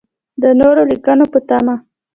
د نورو لیکنو په تمه.